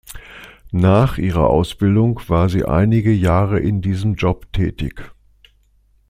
Nach ihrer Ausbildung war sie einige Jahre in diesem Job tätig.